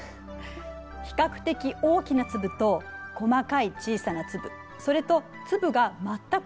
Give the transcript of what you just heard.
比較的大きな粒と細かい小さな粒それと粒が全く見えない部分。